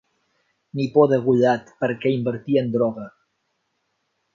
Nipó degollat perquè invertia en droga.